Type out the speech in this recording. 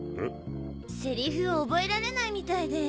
セリフ覚えられないみたいで。